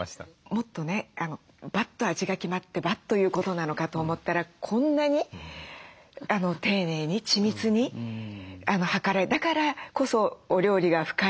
もっとねバッと味が決まってバッということなのかと思ったらこんなに丁寧に緻密に量られだからこそお料理が深い。